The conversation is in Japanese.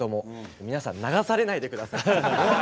皆さん流されないで下さい！